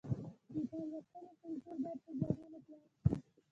د کتاب لوستلو کلتور باید په ځوانانو کې عام شي.